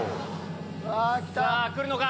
さぁ来るのか？